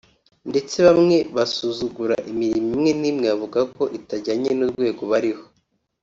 ndetse bamwe basuzugura imirimo imwe n’imwe bavuga ko itajyanye n’urwego bariho